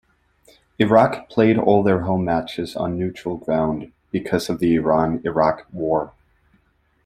Iraq played all their home matches on neutral ground because of the Iran-Iraq War.